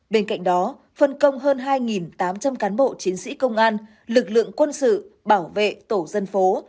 bên cạnh đó phân công hơn hai tám trăm linh cán bộ chiến sĩ công an lực lượng quân sự bảo vệ tổ dân phố